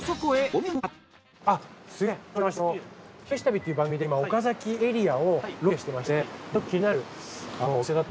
「昼めし旅」という番組で今岡崎エリアをロケしてまして。